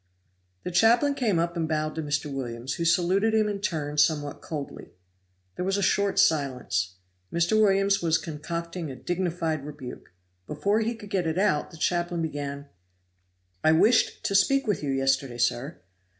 The chaplain came up and bowed to Mr. Williams, who saluted him in turn somewhat coldly. There was a short silence. Mr. Williams was concocting a dignified rebuke. Before he could get it out the chaplain began: "I wished to speak with you yesterday, sir.